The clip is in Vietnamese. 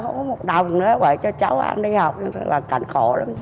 không có một đồng nữa rồi cho cháu em đi học là cảnh khổ lắm